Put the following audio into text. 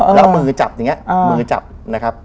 แล้วเอามือจับอย่างนี้มือจับนะครับ